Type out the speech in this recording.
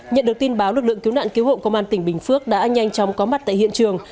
nhận được tin báo lực lượng cứu nạn cứu hộ công an tỉnh bình phước đã nhanh chóng có mặt tại hiện trường